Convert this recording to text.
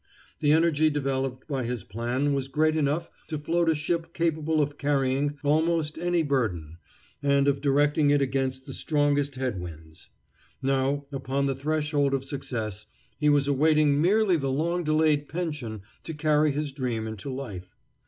The energy developed by his plan was great enough to float a ship capable of carrying almost any burden, and of directing it against the strongest head winds. Now, upon the threshold of success, he was awaiting merely the long delayed pension to carry his dream into life.